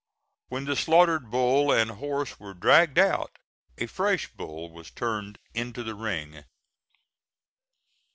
When the slaughtered bull and horse were dragged out, a fresh bull was turned into the ring.